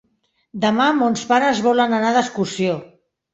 Demà mons pares volen anar d'excursió.